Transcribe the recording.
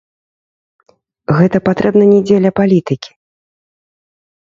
Гэта патрэбна не дзеля палітыкі.